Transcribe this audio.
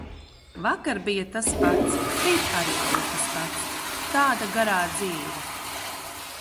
Vakar bija tas pats, rīt arī būs tas pats. tāda garā dzīve.